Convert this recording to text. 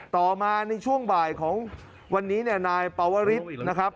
ต่อมาในช่วงบ่ายของวันนี้เนี่ยนายปวริสนะครับ